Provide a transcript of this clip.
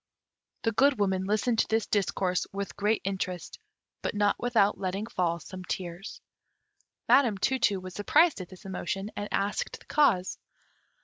The Good Woman listened to this discourse with great interest; but not without letting fall some tears. Madam Tu tu was surprised at this emotion, and asked the cause.